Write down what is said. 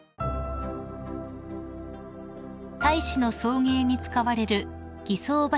［大使の送迎に使われる］